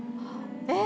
え？